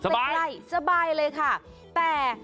สบายสบายเลยค่ะแต่